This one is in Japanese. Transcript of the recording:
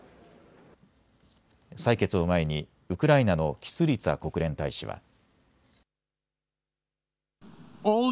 採決を前にウクライナのキスリツァ国連大使は。